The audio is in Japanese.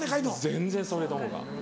全然それのほうが。